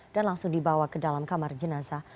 dan langsung dibawa ke dalam kamar jenazah